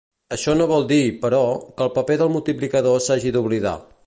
Això no vol dir, però, que el paper del multiplicador s'hagi d'oblidar.